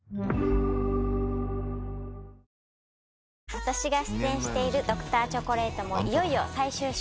私が出演している『Ｄｒ．チョコレート』もいよいよ最終章。